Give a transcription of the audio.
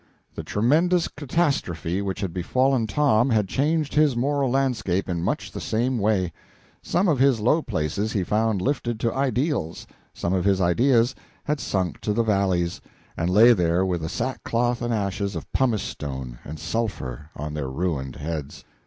The tremendous catastrophe which had befallen Tom had changed his moral landscape in much the same way. Some of his low places he found lifted to ideals, some of his ideals had sunk to the valleys, and lay there with the sackcloth and ashes of pumice stone and sulphur on their ruined heads.